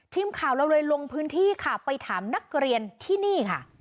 ทีมข่าวเราเลยลงพื้นที่ค่ะไปถามนักเรียนที่นี่ค่ะ